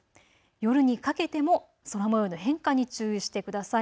夜にかけても空もようの変化に注意してください。